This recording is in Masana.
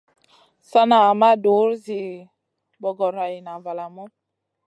Sana ma dur zi bogorayna valamu.